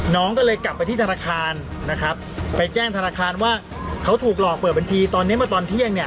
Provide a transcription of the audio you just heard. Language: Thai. น้องก็เลยกลับไปที่ธนาคารนะครับไปแจ้งธนาคารว่าเขาถูกหลอกเปิดบัญชีตอนนี้เมื่อตอนเที่ยงเนี่ย